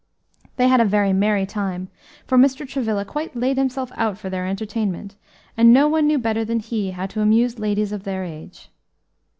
They had a very merry time, for Mr. Travilla quite laid himself out for their entertainment, and no one knew better than he how to amuse ladies of their age.